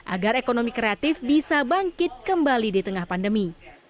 agar ekonomi kreatif bisa bangkit kembali di tengah pandemi